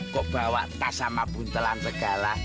kok bawa tas sama buntelan segala